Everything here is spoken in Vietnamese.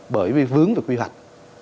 bởi vì vướng về quy hoạch